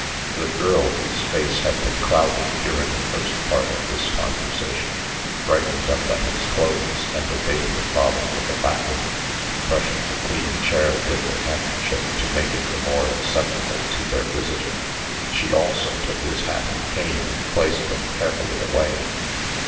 The girl, whose face had been clouded during the first part of this conversation, brightened up at its close, and obeyed her father with alacrity, brushing the clean chair with her handkerchief, to make it the more acceptable to their visitor. She also took his hat and cane, and placed them carefully away.